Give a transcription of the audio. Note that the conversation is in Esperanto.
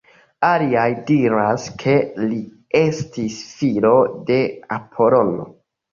Aliaj diras ke li estis filo de Apolono.